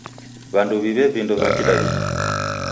W'andu w'iw'e vindo va Kidaw'ida.